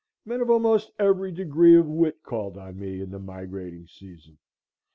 Men of almost every degree of wit called on me in the migrating season.